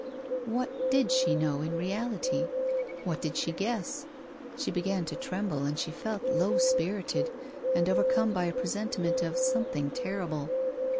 What did she know in reality ? What did she guess ? She began to tremble, and she felt low spirited, and over come by a presentiment of something terrible.